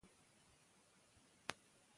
تعلیم د بشري حقونو د ترسیم لپاره مهم دی.